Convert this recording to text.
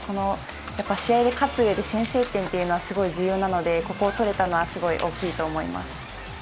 試合で勝つうえで先制点というのは非常に重要なので、ここを取れたのはすごい大きいと思います。